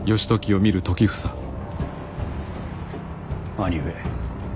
兄上。